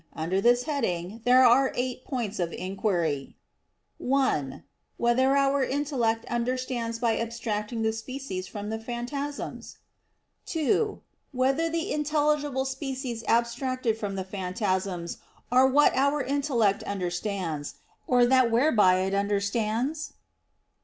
Under this head there are eight points of inquiry: (1) Whether our intellect understands by abstracting the species from the phantasms? (2) Whether the intelligible species abstracted from the phantasms are what our intellect understands, or that whereby it understands?